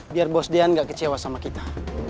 biar bos dean gak kecewa sama kita